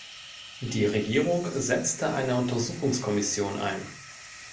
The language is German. Die Regierung setzte eine Untersuchungskommission ein.